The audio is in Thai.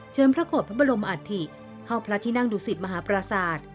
เชิร์มพระโกรทพระบรมอัฐศิเข้าพระที่นั่งดุสิตมหาสาท